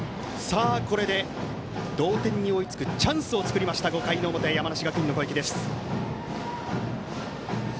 これで、同点に追いつくチャンスを作りました５回の表、山梨学院の攻撃です。